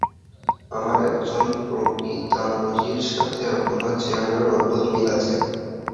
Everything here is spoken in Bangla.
আমার একজন প্রপিতামহীর সাথে আপনার চেহারার অদ্ভুত মিল আছে।